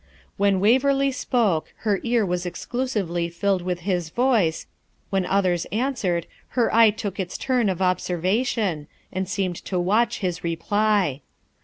When Waverley spoke, her ear was exclusively filled with his voice, when others answered, her eye took its turn of observation, and seemed to watch his reply.